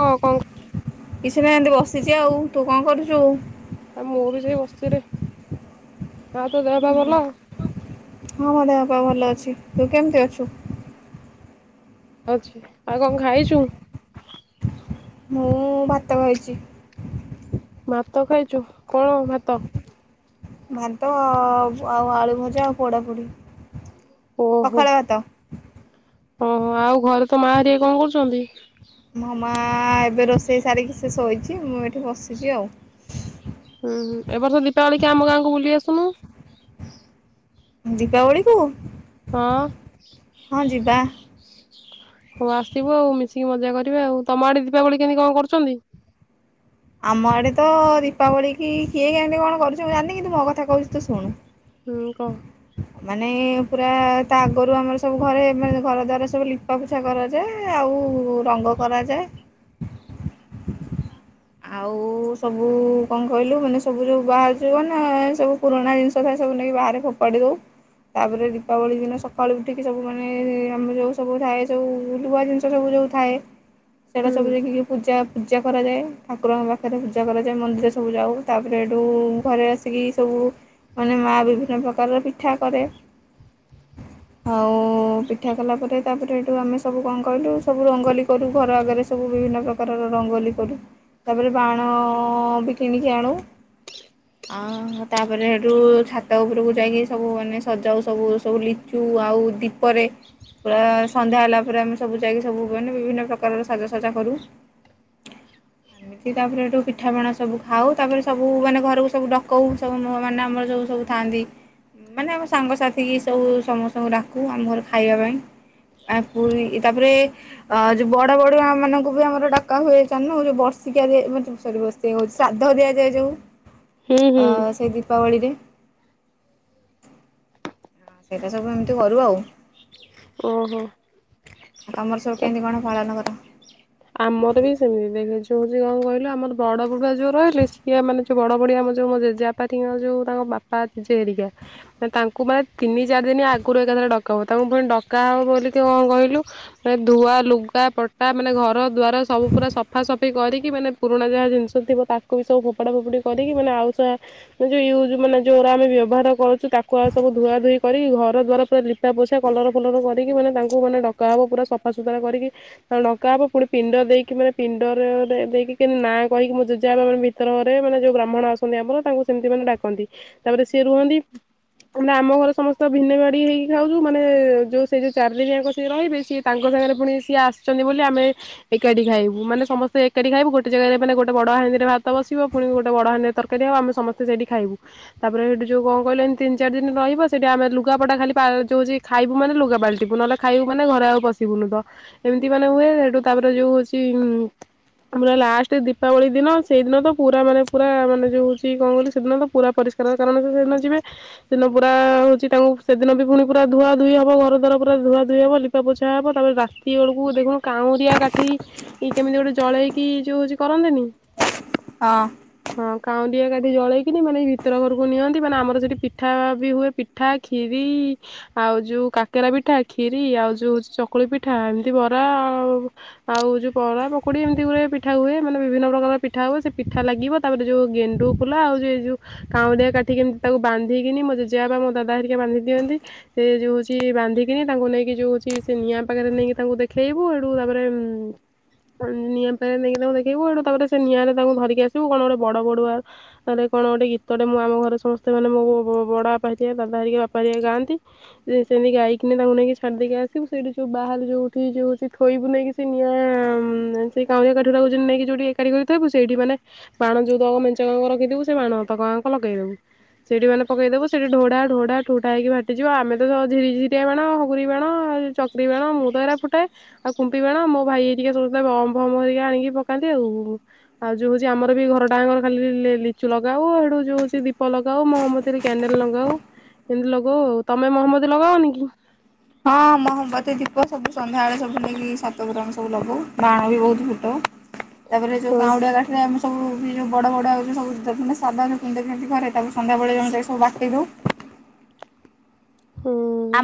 ହଁ କଣ କିଛି ନାହି ଏନ୍ତି ବସିଛି ଆଉ ତୁ କଣ କରୁଚୁ ମୁଁ ବି ସେଇ ବସିଚିରେ ଆଉ ତୋ ଦେହ ପା ଭଲ ହଁ ମୋ ଦେହପାଅ ଭଲ। ତୁ କେମତି ଅଛୁ? ଅଛି ଆଉ କଣ ଖାଇଚୁ? ମୁଁ ଭାତ ଖାଇଚି। ଭାତ ଖାଇଛୁ କଣ ଭାତ? ଭାତ ଆଉ ଆଳୁ ଭଜା ଆଉ ପୋଡ଼ାପୋଡ଼ି। ଓହୋ ପଖାଳ ଭାତ ଓହୋ ଆଉ ଘରେ ତ ମା ହେରିକା କଣ କରୁଚନ୍ତି? ମୋ ମା ଏବେ ରୋଷେଇ ସାରିକି ସେ ଶୋଇଛି ମୁଁ ଏଠି ବସିଛି ଆଉ। ହୁଁ ଏ ବର୍ଷ ଦୀପାବଳି କି ଆମ ଗାଁକୁ ବୁଲି ଆସୁନୁ ଦୀପାବଳିକୁୁ ହଁ। ହଁ ଯିବା। ହଉ ଆସିବୁ ଆଉ ମିଶିକି ମଜା କରିବା ଆଉ ତମ ଆଡେ ଦୀପାବଳି କେମିତି କଣ କରୁଚନ୍ତି? ଆମ ଆଡେ ତ ଦୀପାବଳି କି କିଏ ହେନ୍ତି କଣ କରୁଛି ମୁଁ ଜାଣନ୍ତିି କିନ୍ତୁ ମୋ କଥା କହୁଛି ତୁ ଶୁଣୁ ହୁଁ କହ। ମାନେ ପୁରା ତା ଆଗରୁ ଆମର ସବୁ ଘରେ ମାନେ ଘର ଦ୍ୱାରା ସବୁ ଲିପା ପୋଛା କରାଯାଏ ଆଉ ରଙ୍ଗ କରାଯାଏ। ଆଉ ସବୁ କଣ କହିଲୁ ମାନେ ସବୁ ଯୋଉ ବାହାରୁ ଯଉ ମ ସବୁ ପୁରୁଣା ଜିନିଷ ଥାଏ ସବୁ ନେଇକି ବାହାରେ ଫୋପାଡ଼ି ଦଉ ତାପରେ ଦୀପାବଳି ଦିନ ସକାଳୁ ଉଠିକି ସବୁ ମାନେ ଆମର ଯଉଁ ସବୁ ଥାଏ ସବୁ ଲୁଆ ଜିନିଷ ସବୁ ଯଉଁ ଥାଏ। ସେଟା ହୁଁ ସବୁ ଯାଇକିରି ପୂଜା ପୂଜା କରାଯାଏ। ଠାକୁରଙ୍କ ପାଖରେ ପୂଜା କରାଯାଏ ମନ୍ଦିର ସବୁ ଯାଉ ତାପରେ ହେଟୁ ଘରେ ଅସିକି ସବୁ ମାନେ ମା ବିଭିନ୍ନ ପ୍ରକାରର ପିଠା କରେ ଆଉ ପିଠା କଲା ପରେ ତାପରେ ହେଟୁ ଆମେ ସବୁ କଣ କହିଲୁ ସବୁ ରଙ୍ଗୋଲି କରୁ ଘର ଆଗରେ ସବୁ ବିଭିନ୍ନ ପ୍ରକାରର ରଙ୍ଗୋଲି କରୁ। ତାପରେ ବାଣ ବି କିଣିକି ଆଣୁ ଆଁ ତାପରେ ହେଟୁ ଛାତ ଉପରେ କୁ ଯାଇକି ସବୁ ମାନେ ସଜାଉ ସବୁ ସବୁ ଲିଚୁ ଆଉ ଦିପରେ ପୁରା ସନ୍ଧ୍ୟା ହେଲା ପରେ ଆମେ ସବୁ ଯାଇକି ସବୁ ମାନେ ବିଭିନ୍ନ ପ୍ରକାରର ସାଜସଜା କରୁ। ଏମିତି ତାପରେ ଏଠୁ ପିଠାପଣା ସବୁ ଖାଉ ତାପରେ ସବୁ ମାନେ ଘରକୁ ସବୁ ଡକଉ ସବୁ ମାନେ ଆମର ସବୁ ସବୁ ଥାଆନ୍ତି ମାନେ ଆମ ସାଙ୍ଗସାଥି କି ସବୁ ସମସ୍ତଙ୍କୁ ଡାକୁ ଆମ ଘର ଖାଇବା ପାଇଁ ଆ ପୁରୀ ତାପରେ ଅ ଜଉ ବଡବଡୁଆ ମାନଙ୍କୁ ବି ଆମର ଡକା ହୁଏ [unintelligible] ଶିକ୍ଷ୍ୟା ଦିଆ [unintelligible] ସରି [unintelligible] ଶ୍ରାଦ୍ଧ ଦିଆଯାଏ ଜଉ ହୁଁ ହୁଁ ଅ ସେଇ ଦୀପାବଳିରେ। ସେଇଟା ସବୁ ଏମିତି କରୁ ଆଉ। ଓହୋ। ଆଉ ତମର ସବୁ କେମିତି କଣ ପାଳନ କର? ଆମର ବି ସେମିତି ଦେଖ ଯୋଉ କଣ କହିଲୁ ଆମର ବଡବଡୁଆ ଯୋଉ ରହିଲେ ସିଏ ମାନେ ଯୋଉ ବଡବଡୁଆ ଆମ ଯୋଉ ଜେଜେବାପା ହେରିକାଙ୍କ ଜଉ ତାଙ୍କ ବାପା ଜେଜେ ହେରିକା ମାନେ ତାଙ୍କୁ ମାନେ ତିନି ଜରେନି ଆଗରୁ ଏକାଥରେ ଡକା ହୁଏ। ତାଙ୍କୁ ଫୁଣି ଡକାହବ ବୋଲିତି କଣ କହିଲୁ ମାନେ ଧୂଆ ଲୁଗା ପଟା ମାନେ ଘର ଘର ଦ୍ୱାରା ସବୁ ପୁରା ସଫାସଫି କରିକି ମାନେ ପୁରୁଣା ଯାହା ଜିନିଷ ଥିବ ତାକୁ ବି ସବୁ ଫୋପଡ଼ା ଫୋପୁଡି କରିକି ମାନେ ଆଉ ସ ଯେଉଁ ୟୁଜ୍ ମାନେ ଯେଉଁରା ଆମେ ବ୍ୟବହାର କରୁଛୁ ତାକୁ ଆଉ ସବୁ ଧୁଆ ଧୁଇ କରିକି ଘର ଦ୍ୱାରା ପୁରା ଲିପା ପୋଛା କଲର ଫଲର କରିକି ମାନେ ତାଙ୍କୁ ମାନେ ଡା ହେବ ପୁରା ସଫାସତୁରା କରିକି ଯେତେଳେ ଡକା ହବ ପିଣ୍ଡ ଦେଇକି ମାନେ ପିଣ୍ଡରେ ଦେଇକି କେ ନାଁ କହିକି ମୋ ଜେଜେ ବା ମାନେ ଭିତର ଘରେ ମାନେ ଯୋଉ ବ୍ରାହ୍ମଣ ଆସନ୍ତି ଆମର ତାଙ୍କୁ ସେମିତି ମାନେ ଡାକନ୍ତି ତାପରେ ସେ ରୁହନ୍ତି ମାନେ ଆମ ଘର ସମସ୍ତେ ଭିନେଜଉ ସେ ଜଉ ଚାରି ଦିନ ଆଙ୍କ ସେ ରହିବେ ସିଏ ତାଙ୍କ ଜାଗାରେ ଫୁଣି ସିଏ ଆସିଚନ୍ତି ବୋଲି ଆମେ ଏକାଠି ଖାଇବୁ ମାନେ ସମସ୍ତେ ଏକାଠି ଖାଇବୁ ଗୋଟେ ଜାଗାରେ ମାନେ ଗୋଟେ ବଡ଼ ହାଣ୍ଡିରେ ଭାତ ବସିବ ପୁଣି ଗୋଟେ ବଡ଼ ହାଣ୍ଡିରେ ତରକାରି ହବ ଆମେ ସମସ୍ତେ ସେଇଠି ଖାଇବୁ। ତାପରେ ହେଟୁ ଜଉ କଣ କହିଲ ଏନ୍ତି ତିନ ଚାରଦିନ ରହିବ [unintelligible] ଲୁଗାପଟା ଖାଲି ପା ଜଉ ହଉଚି ଖାଇବୁ ମାନେ ଲୁଗା ପାଲଟିବୁ ନହେଲେ ଖାଇବୁ ମାନେ ଘରେ ଆଉ ପସିବୁନି ଏମତି ମାନେ ହୁଏ। ତାପରେ ଯୋଉ ହଉଛି ଆମର ଲାଷ୍ଟ ଦୀପାବଳି ଦିନ ସେଇଦିନ ତ ପୁରା ମାନେ ପୁରା ମାନେ ଯୋଉ ହଉଛି କଣ କିଲ ସେଦିନ ତ ପୁରା ପରିଷ୍କାର କାରଣ ସେଦିନ ଯିବେ ସେଦିନ ପୁରା ହଉଛି ତାଙ୍କୁ ସେଦିନ ବି ପୁଣି ପୁରା ଧୁଆ ଧୋଇ ହବ ଘର ଦ୍ୱାରା ପୁରା ଧୁଆ ଧୋଇ ହବ ଲିପା ପୋଛା ହବ ତାପରେ ରାତିବୋଳୁକୁ ଦେଖିବୁ କାଉଁରା ଗାଠି କେମିତି ଗୋଟେ ଜଳେଇକି ଯୋଉ ହଉଛି କରନ୍ତିନି। ହଁ। ହଁ କାଉଁଡିଆ କାଦି ଜଳେଇକିନି ମାନେ ଭିତର ଘରକୁ ନିଅନ୍ତି ମାନେ ଆମର ସେଠି ପିଠା ବି ହୁଏ ପିଠା, ଖିରି ଆଉ ଜଉ କାକେର ପିଠା, କ୍ଷୀରି ଆଉ ଜଉ ଚକୁଳି ପିଠା ଅମିତି ବରା ଆଉ ଆଉ ଯୋଉ ବରା ପକୋଡି ଏମିତି ଗୁଡେ ପିଠା ହୁଏ ମାନେ ବିଭିନ୍ନ ପ୍ରକାରର ପିଠା ହୁଏ ସେଇ ପିଠା ଲାଗିବ ତାପରେ ଜଉ ଗେଣ୍ଡୁ ଫୁଲ ଆଉ ଜଉ ଏଇ ଜଉ କାଉଁରିଆ କାଠି କେମତି ତାକୁ ବାନ୍ଧିକିନି ମୋ ଜେଜେବାପା ମୋ ଦାଦା ହେରିକା ବାନ୍ଧିଦିଅନ୍ତି ସେ ଜଉ ହଉଚି ବନ୍ଧିକିନି ତାଙ୍କୁ ନେଇକି ଜଉ ହଉଚି ସେ ନିଆ ପାଖରେ ନେଇକି ତାକୁ ଦେଖେଇବୁ ହେଟୁ ତାପରେ ନିଆଁ ପାରେ ନେଇକି ତାଙ୍କୁ ଦେଖେଇବୁ ଏଠୁ ତାପରେ ସେ ନିଆଁଟା ତାଙ୍କୁ ଧରିକି ଆସିବୁ କଣ ଗୋଟେ ବଡବଡୁଆ ହେଟା କଣ ଗୋଟେ ଗୀତ ଟେ ମୋ ଆମ ଘରେ ସମସ୍ତେ ମାନେ ମୋ ବ ବଡବାପା ହେରିକା ଦାଦା ହେରିକ ବାପା ହେରିକା ଗାନ୍ତି ସେମତି ଗାଇକିନା ତାଙ୍କୁ ନେଇକି ଛାଡିଦେଇକି ଆସିବୁ ସେଇଠି ଜଉ ବାହାଲି ଯଉଠି ଜଉ ହଉଚି ଥୋଇବୁ ନେଇକି ସେ ନିଆଁ ସେଇ କାଉଁଆ କାଠିଠା ନେଇକି ଯଉଠି ଏକାଠି କରିକି ଥୋଇବୁ ସେଇଠି ମାନେ ବାଣ ଜଉ ତକ ମେଞ୍ଚାକ ରଖିଥିବୁ ସେଇ ବାଣ ତକ ଆଙ୍କ ଲଗେଇ ଦବୁ ସେଇଠି ମାନେ ପକେଇ ଦବୁ ସେଇଠି ଢୋ ଢା ଢୋ ଢା ଠୋ ଠା ହେଇକି ଫାଟି ଯିବ ଆମେତ କେବଳ ଝିରିଝିରୀଆ ବାଣ ହାଗୁରି ବାଣ ଚକିରି ବାଣ ମୁଁ ତ ହେଇରା ଫୁଟାଇ ଆଉ କୁ ମ୍ପି ବାଣ ମୋ ଭାଇ ହେରୀକା ସବୁ ବମ ଫମ ହେରୀକା ଆଣିକି ପକାନ୍ତି ଆଉ ଆଉ ଯୋଉ ହଉଛି ଆମର ବି ଘରଟାଙ୍କର ଖାଲି ଲିଚୁ ଲଗାଉ ଆଠୁ ଯୋଉ ହଉଛି ଦୀପ ଲଗାଉ ମହମଦୀରେ କ୍ୟାଣ୍ଡେଲ ଲଗାଉ ଏମିତି ଲଗାଉ ଆଉ ତମେ ମହମ୍ମଦତି ଲଗାନି କି? ହଁ ମହମ୍ୱତୀ ଦୀପ ସବୁ ସନ୍ଧ୍ୟାବେଳେ ସବୁ ଲାଗି ଛାତ ଉପରେ ସବୁ ଲଗଉ ବାଣ ବି ବହୁତ୍ ଫୁଟାଉ। ତାପରେ ଯଉ କାଉଁଡିଆ କାଠି ରେ ଆମେ ସବୁ ବି ଯେଉଁ ବଡବାଡୁଆ ହେଉ ଯଦି ମୁଁ ସାବଧାନେ ରେ ପିଣ୍ଡ ଦିଅନ୍ତି ଘରେ ତାଙ୍କୁ ସନ୍ଧ୍ୟାବେଳେ ଆମେ ସବୁ ଯାଇ ବାଟେଇ ଦଉ। ହଁ।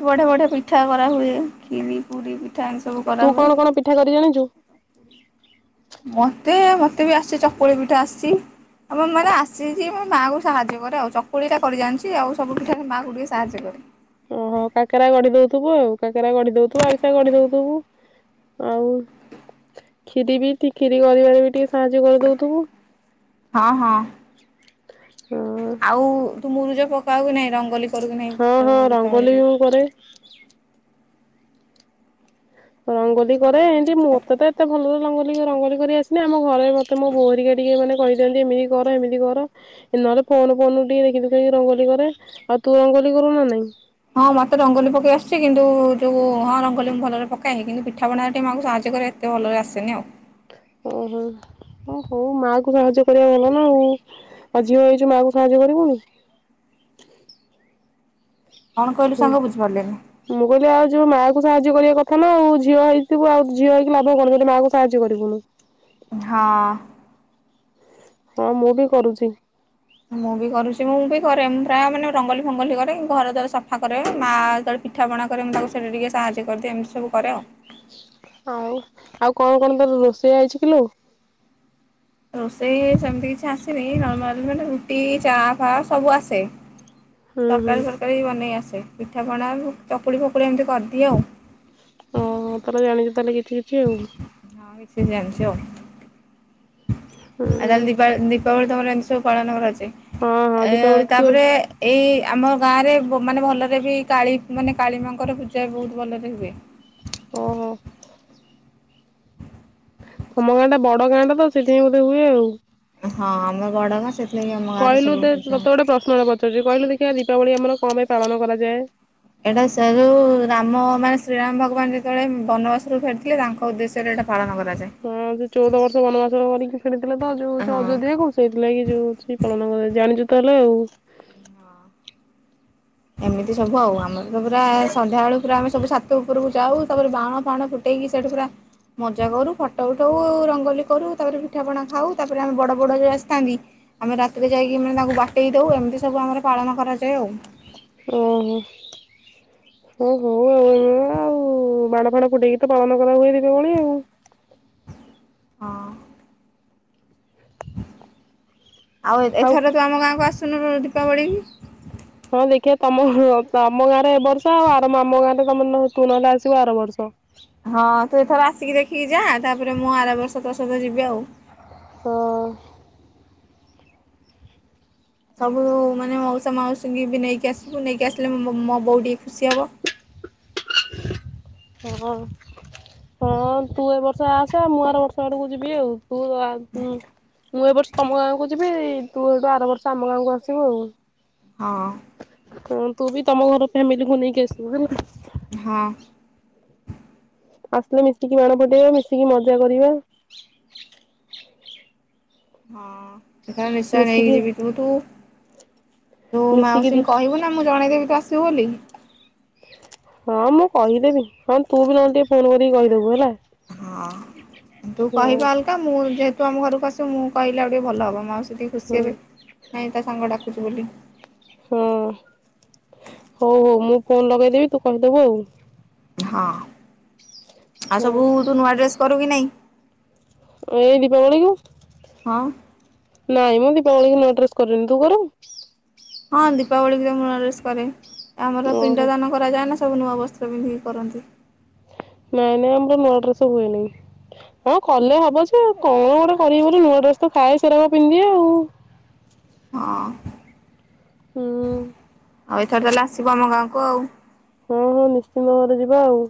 ବଢା ବଢିଆ ପିଠା କରା ହୁଏ ଖିରି ପୁରୀ। ଏମିତି ସବୁ କରାହୁଏ। [unintelligible] ମତେ ମତେ ବି ଆସିଛି ଚକୁଳି ପିଠା ଆସିଛି ଆ ମାନେ ଆସିଛି [unintelligible] ହଁ ହଁ। ହଁ [unintelligible] ପାଉ ନାହିଁ ରଙ୍ଗୋଲି କରୁ କି ନାହିଁ ହଁ ହଁ ଯୋଉ ରଙ୍ଗ ଦୀପାବଳିରେ? ଏମିତି ରଙ୍ଗୋଲି ସବୁ କରେ ଦୀପାବଳି ଏମତି ମ ଆଉ। ଟିକେ ରଙ୍ଗୋଳି କରି ଆସେନି ଆମ ଘରେ ବି ମତେ ମୋ ବୋଉ ହେରିକା ହଁ ମତେ ରଙ୍ଗୋଲି ପକେଇ ଆସିଛି କିନ୍ତୁ ପୀଠ ପଣରେ ମା କୁ ସାହାଯ୍ୟ କରେ କିନ୍ତୁ ଅଟେ ଭଲରେ ଆସେନି ଆଉ। ଓହୋ। କଣ କହିଲୁ ସାଙ୍ଗ ବୁଝିପାରିଲିନି। [unintelligible] ସାହାଯ୍ୟ ହଁ ହଁ ମୁଁ ବି କରୁଛି। ମୁଁ ବି କରୁଛି ମୁଁ ବି କରେ ମୁଁ ପ୍ରାୟ ମାନେ ଆଉ ଆଉ କଣ କଣ ତାର ରୋଷେଇ ହେଇଛି କିିଲୋ। ରୋଷେଇ ସେମିତି କିଛି ଆସିନି ନର୍ମାଲ ମାନେ ରୁଟି ଚା ଫା ସବୁ ଆସେ। ହୁଁ ହୁଁ ତରକାରୀ ଫରକାରୀ ବନେଇ ଆସ ପିଠାପଣା ଚକୁଳି ଫକୁଳି ଏମିତି କରିଦିଏ ଆଉ। ଓହୋ ତାହେଲେ ଜାଣିଛ ତାହେଲେ କିଛି କିଛି ଆଉ। ହଁ କିଛି ଜାଣିଛି ଆଉ। ହୁଁ ଆଉ ଦୀପାବଳି ଦୀପାବଳି ତମର ଏ ପାଳନ କରାଯ ହଁ ହଁ ଆ ଦୀପାବଳି କି ତୁ ତାପରେ ଏଇ। ଆମ ଗାଁ ରେ ମାନେ ଭଲରେ ବି କାଳୀ ମାନେ କାଳୀ ମାଙ୍କର ପୂଜା ବି ବହୁତ ଭଲରେ ହୁଏ। ଓ ହୋ। ତମ ଗାଁ ଟା ବଡ ଗାଁ ଟା ତ ସେଇଥିାଇଁ ବୋଧେ ହୁଏ ଆଉ। ହଁ ଆମେ ବଡ ଗାଁ ସେ କହିଲୁ ତ-ତ-ତତେ ଗୋଟେ ପ୍ରଶ୍ନ ତେ ପଚାରୁଛି କହିଲୁ ଦେଖିବା ଦୀପାବଳି ଆମର। କଣ ପାଇଁ ପାଳନ କରାଯାଏ। ଏଇଟା ସେ ଯଉ ରାମ ମାନେ ଶ୍ରୀରାମ ଭ ଭଗବାନ ଯେତେବେଳେ ବନବାସରୁ ଫେରିଥିଲେ ତାଙ୍କ ଉଦ୍ଦେଶ୍ୟରେ ଏଟା ପାଳନ କରା ହଁ ସେ ଚଉଦ ବର୍ଷ ବନବାସ କରିକି। ଫେରିଥିଲେ ତ ଯୋଉ ଯୋଉ ହଁ। ଅଯୋଧ୍ୟା କୁ ସେଇଥି ଲାଗି କ ଯୋଉ ହଉଚି ପାଳନ କରା ଜାଣିଚୁ ତାହେଲେ ଆଉ। ଏମିତି ସବୁ ଆଉ ଆମର ତ ପୁରା ସନ୍ଧ୍ୟା ବେଳ ପୁରା ଆମେ ସବୁ ଛାତ ଉପରକୁ ଯାଉ ତାପରେ ବାଣ ଫାଣ ଫୁଟେଇକି ସେଇଠି ପୁରା ମଜା କରୁ ଫଟୋ ଉଠଉ ରଙ୍ଗୋଲି କରୁ ତାପରେ ପିଠାପଣା ଖାଉ ତାପରେ ଆମେ ବଡ଼ ବଡୁଆ ଯଉ ଆସିଥାନ୍ତି ଆମେ ରାତିରେ ଯାଇକି ମାନେ ତାକୁ ବାଟେଇ ଦେଉ ଏମିତି ସବୁ ଆମର ପାଳନ କରାଯାଏ ଆଉ। ଓହୋ ହ ହଉ ଆଉ। ଆଉ ବାଣ ଫାଣ ଫୁଟେଇକି ତ ପାଳନ କରା ହୁଏ ଦୀପାବଳି ଆଉ। ହଁ। ଆଉ ଏ ଏଥର ତୁ ଆମ ଗାଁକୁ ଆସୁ [unintelligible] ଦୀପାବଳି। ହଁ ଦେଖିବା ତମ ତମ ଗାଁରେ ଏ ବର୍ଷ ଆଉ ଆର ଆମ ଗାଁରେ ତମ ତୁ ନହେଲେ ଆସିବୁ ଆର ବର୍ଷ। ହଁ ତୁ ଏଥର ଆସିକି ଦେଖିକି ଯା ତାପରେ ମୁଁ ଆର ବର୍ଷ ତୋ ସହିତ ଯିବି ଆଉ। ହୁଁ। ସବୁ ମାନେ ମାଉସା ମାଉସୀଙ୍କି ବି ନେଇକି ଆସିବୁ ନେଇକି ଆସିଲେ ମୋ-ମୋ ବୋଉ ଟିକେ ଖୁସି ହବ। ହଁ ହଁ ତୁ ଏ ବର୍ଷ ଆସେ ମୁଁ ଆର ବର୍ଷ ଆଡ଼କୁ ଯିବି ଆଉ। ତୁ ଆଗ ଉଁ। ମୁଁ ଏ ବର୍ଷ ତମ ଗାଁକୁ ଯିବି ତୁ ଏଇଠୁ ଆର ବର୍ଷ ଆମ ଗାଁକୁ ଆସିବୁ ଆଉ। ହଁ। ହଁ ତୁ ବି ତମ ଘର ଫ୍ୟାମିଲିକୁ ନେଇକି ଆସିବୁ ହେଲା। ହଁ। ଆସିଲେ ମିଶିକି ବାଣ ଫଟେଇବା ମିଶିକି ମଜା କରିବା। ହଁ। ଏଥର ନିଶ୍ଚୟ ନେଇକି ମିଶିକି ଯିବି ତୁ ତୁ। ତୁ ମିଶିକି ଦି ମାଉସୀଙ୍କୁ କହିବୁ ନା ମୁଁ ଜଣେଇଦବି ତୁ ଆ ଆସିବୁ ବୋଲି ହଁ ମୁଁ କହିଦେବି ହଁ ତୁ ବି ନହେଲେ ଟିକେ ଫୋନ କରିକି କହିଦେବୁ ହେଲା। ହଁ। ତୁ ହଁ କହିବା ଅଲକା ମୁଁ ଯେହେତୁ ଆମ ଘରକୁ ଆସିବୁ ତ ମୁଁ କହିଲେ ଆଉ ଟିକେ ଭଲ ହେବ ମାଉସୀ ଯଦି ହଁ ଖୁସି ହେବେ ନାଇଁ ତା ସାଙ୍ଗ ଡା ଅଛି ବୋଲି ହଁ ହଉ ହଉ ମୁଁ ଫୋନ ଲଗେଇଦେବି ତୁ କହିଦବୁ ଆଉ। ହଁ। ଆଉ ହଉ ସବୁ ତୁ ନୂଆ ଡ୍ରେସ କରୁ କି ନାହିଁ? ଏଇ ଦୀପାବଳୀ କୁ। ହଁ। ନାଇଁ ମୁଁ ଦୀପାବଳି ନୂଆ ଡ୍ରେସ୍ କରିନି ତୁ କରୁ? ହଁ ଦୀପାବଳିକୁ ମୁଁ ନୂଆଁ ଡ୍ରେସ କରେ। ଆମର ଓହୋ। ପିଣ୍ଡ ଦାନ କରାଯାଏ ନା ସେ ସବୁ ନୂଆ ବସ୍ତ୍ର ପିନ୍ଧିକି କରନ୍ତି। ନାଇଁ ନାଇଁ ଆମର ନୂଆ ଡ୍ରେସ ହୁଏନି ହଁ କଲେ ହବ ଯେ କଣ ଗୋଟେ କରିବ ବୋଲି ନୂଆ ଡ୍ରେସ ତ ଥାଏ ସେରାକ ପିନ୍ଧି ଦିଏ ଆଉ। ହଁ। ହୁଁ। ଆଉ ଏଥର ତାହେଲେ ଆସିବ ଆମ ଗାଁକୁ ଆଉ। ହଁ ହଁ ନିଶ୍ଚିନ୍ତ ଭାବରେ ଯିବା ଆଉ।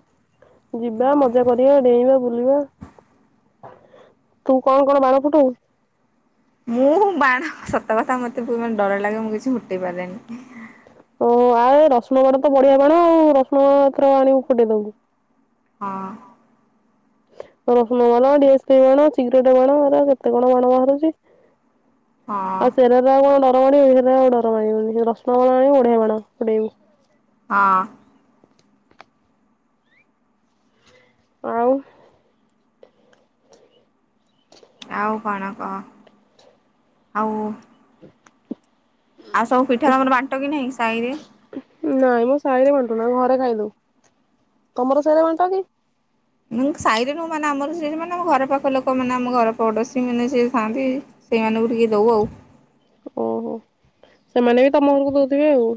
ଯିବା ମଜା କରିବା ଡେଇଁବା ବୁଲି ହେଲା ତୁ କଣ କଣ ବାଡ଼ ଫୁଟଉ? ମୁଁ ବାଣ ସତ କଥା ମତେ ମେ ଡର ଲାଗେ ମୁଁ କିଛି ଫୁଟେଇ ପାରେନି। ଓ ଆ ରସୁଣ ବାଣ ତ ବଢିଆ ବାଣ ଆଉ ରସୁଣଥର ଆଣିବୁ ଫଟେଇ ଦବୁ। ହଁ। ରସୁଣ ବାଣ ଡିଆସିଲି ବାଣ [unintelligible] ବାହାର କେତେ କଣ ବାଣ ବାହାରୁଛି। ହଁ ଆଉ ସେରା ତ ଣ ଆଉ ଡରମାଡିବନି ରସୁଣ ବଢିଆ ବାଣ [unintelligible] ଉଡେଇବୁ। ହଁ। ଆଉ ଆଉ କଣ କହ ଆଉ ଆଉ ସବୁ ପିଠା ତମର ବାଣ୍ଟ କି ନାହିଁ ସାହିରେ? ନାଇଁ ମୁଁ ସାହିରେ ବାଣ୍ଟୁ ନା ଘରେ ଖାଇଦଉ ତମର ସାହିରେ ବାଣ୍ଟ କି? ସାହିରେ ମାନେ ଆମର ସେ ମାନେମ ଘର ପାଖ ଲୋକ ମାନେ ଆମ ଘର ପଡୋଶୀ ମାନେ ଯିଏ ଥାନ୍ତି ସେଇମାନଙ୍କୁ ଟିକେ ଦଉ ଆଉ। ଓହୋ ସେମାନେ ବି ତମ ଘରକୁ ଦଉଥିବେ ଆଉ।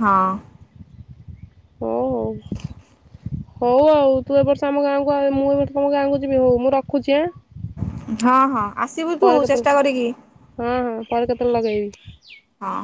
ହଁ। ହଉ ହଉ ହଉ ଆଉ ତୁ ଏ ବର୍ଷ ଆମ ଗାଁକୁ ମୁଁ ଏର୍ଷ ତମ ଗାଁକୁ ଯିବି ହଉ ମୁଁ ରଖୁଛି ଆଁ ହଁ ହଁ। ଆସିବୁ ତୁ ପରେ ଚେଷ୍ଟା କରିକି। କଲ୍ ଲଗେଇବି। ହଁ।